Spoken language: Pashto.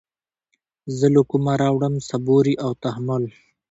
زه له كومه راوړم صبوري او تحمل